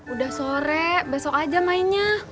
udah sore besok aja mainnya